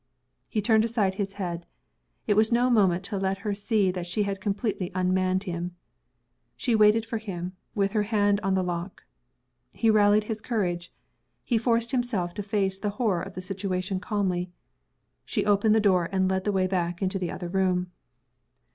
He turned aside his head. It was no moment to let her see that she had completely unmanned him. She waited for him, with her hand on the lock. He rallied his courage he forced himself to face the horror of the situation calmly. She opened the door, and led the way back into the other room.